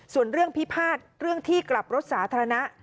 ส่วนเรื่องพิพาทเรื่องที่กลับรถสาธารณะ